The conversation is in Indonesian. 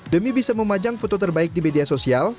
demi bisa memajang foto terbaik di media sosial